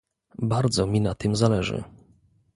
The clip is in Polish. Bardzo mi na tym zależy